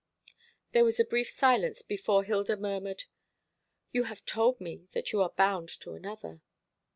There was a brief silence before Hilda murmured, "You have told me that you are bound to another."